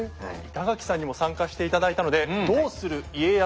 板垣さんにも参加して頂いたので「どうする家康」